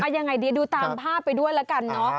ยังไงดีดูตามภาพไปด้วยแล้วกันเนอะ